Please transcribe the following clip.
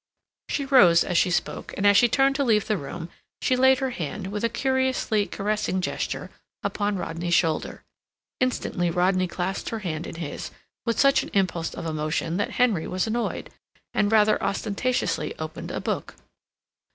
She rose as she spoke, and as she turned to leave the room, she laid her hand, with a curiously caressing gesture, upon Rodney's shoulder. Instantly Rodney clasped her hand in his, with such an impulse of emotion that Henry was annoyed, and rather ostentatiously opened a book.